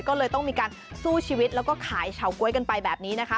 ก็เลยต้องมีการสู้ชีวิตแล้วก็ขายเฉาก๊วยกันไปแบบนี้นะคะ